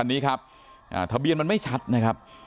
อันนี้ครับทะเบียนมันไม่ชัดนะครับ